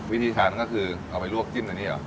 วิธีการก็คือเอาไปลวกจิ้มอันนี้เหรอ